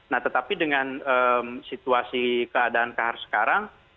nah tetapi dengan situasi keadaan khar sekarang